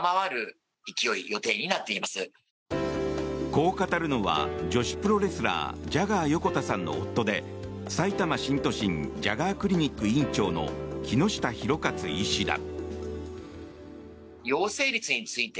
こう語るのは女子プロレスラージャガー横田さんの夫でさいたま新都心ジャガークリニック院長の木下博勝医師だ。